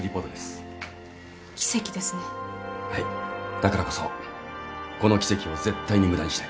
だからこそこの奇跡を絶対に無駄にしない。